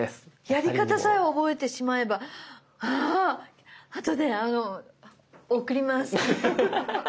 やり方さえ覚えてしまえばああとで送ります！